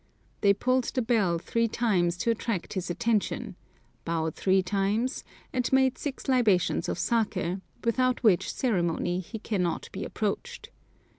They pulled the bell three times to attract his attention, bowed three times, and made six libations of saké, without which ceremony he cannot be approached.